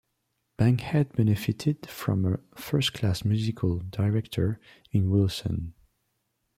Bankhead benefited from a first-class musical director in Willson.